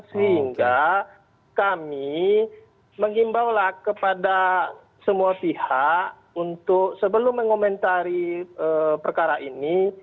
sehingga kami mengimbaulah kepada semua pihak untuk sebelum mengomentari perkara ini